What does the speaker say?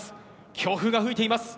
強風が吹いています。